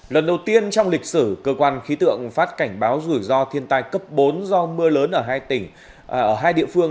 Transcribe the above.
lần đầu tiên trong lịch sử cơ quan khí tượng phát cảnh báo rủi ro thiên tai cấp bốn do mưa lớn ở hai địa phương